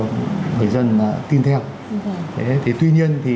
người dân tin theo thì tuy nhiên thì